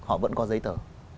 họ vẫn có giấy tờ